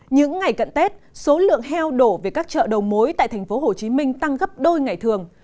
những ngày cận tết số lượng heo đổ về các chợ đầu mối tại tp hồ chí minh tăng gấp đôi ngày thường